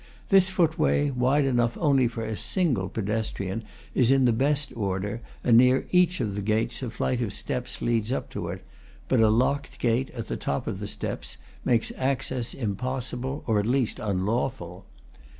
This footway, wide enough only for a single pedestrian, is in the best order, and near each of the gates a flight of steps leads up to it; but a locked gate, at the top of the steps, makes access im possible, or at least unlawful.